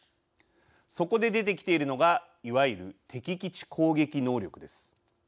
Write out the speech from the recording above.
そこで出てきているのがいわゆる敵基地攻撃能力です。